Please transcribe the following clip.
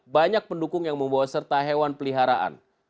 banyak pendukung yang membawa serta hewan peliharaan